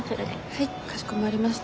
はいかしこまりました。